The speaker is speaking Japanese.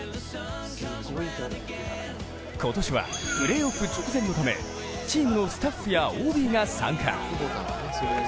今年はプレーオフ直前のためチームのスタッフやＯＢが参加。